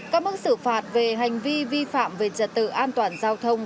các mức xử phạt về hành vi vi phạm về trật tự an toàn giao thông